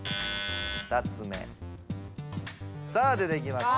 ２つ目さあ出てきました。